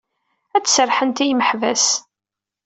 Ad d-serrḥent i yimeḥbas.